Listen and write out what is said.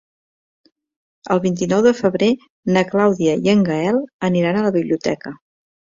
El vint-i-nou de febrer na Clàudia i en Gaël aniran a la biblioteca.